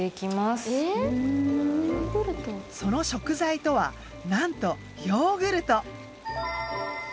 その食材とはなんとヨーグルト。